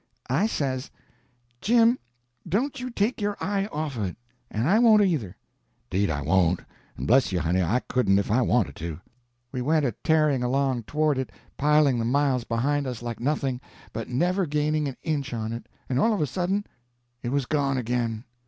I says: "Jim, don't you take your eye off of it, and I won't, either." "'Deed I won't; en bless you, honey, I couldn't ef I wanted to." We went a tearing along toward it, piling the miles behind us like nothing, but never gaining an inch on it—and all of a sudden it was gone again!